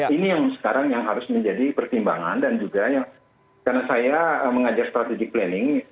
ini yang sekarang yang harus menjadi pertimbangan dan juga karena saya mengajar strategic planning